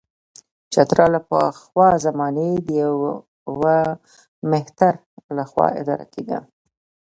چترال له پخوا زمانې د یوه مهتر له خوا اداره کېده.